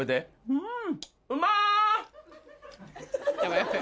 うん！